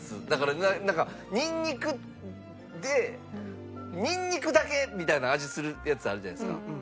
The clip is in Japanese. だからなんかニンニクでニンニクだけみたいな味するやつあるじゃないですか。